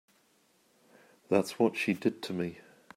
That's what she did to me.